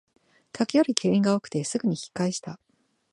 客より店員が多くてすぐに引き返した